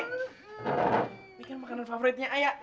ini kan makanan favoritnya ayah